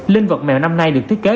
linh vật mèo năm nay được thiết kế